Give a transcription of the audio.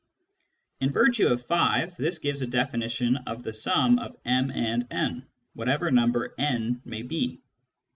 In virtue of (5) this gives a definition of the sum of m and n, whatever number n may be.